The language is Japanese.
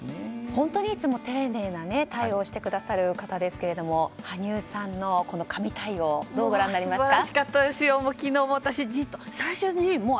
本当にいつも丁寧な対応をしてくださる方ですが羽生さんの神対応をどうご覧になりますか？